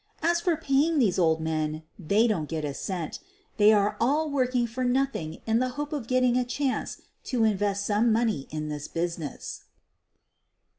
As for paying these old men, they don't get a cent. They are all working for nothing in the hope of getting a chance to in rest some money in the business."